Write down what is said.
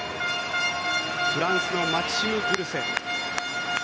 フランスのマキシム・グルセ。